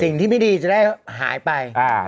สิ่งที่ไม่ดีจะได้หายไป